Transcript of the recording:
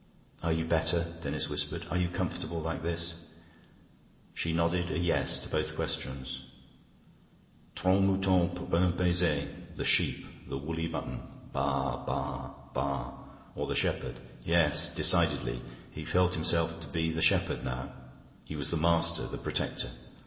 "Are you better?" Denis whispered. "Are you comfortable like this?" She nodded a Yes to both questions. "Trente moutons pour un baiser." The sheep, the woolly mutton baa, baa, baa...? Or the shepherd? Yes, decidedly, he felt himself to be the shepherd now. He was the master, the protector.